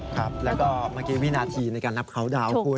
ครับแล้วก็เมื่อกี้วินาทีในการรับเขาดาวน์คุณ